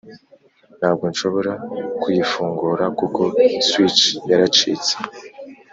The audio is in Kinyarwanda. ntabwo nshobora kuyifungura, kuko switch yaracitse.